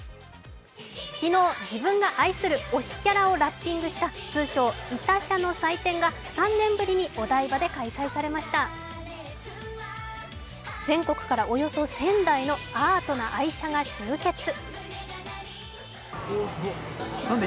昨日、自分が愛する推しキャラをラス化した通称、痛車の祭典が３年ぶりにお台場で開催されました全国からおよそ１０００台のアートな愛車が集結。